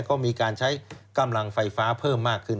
ก็มีการใช้กำลังไฟฟ้าเพิ่มมากขึ้น